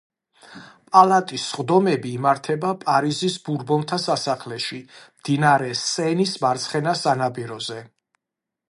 პალატის სხდომები იმართება პარიზის ბურბონთა სასახლეში, მდინარე სენის მარცხენა სანაპიროზე.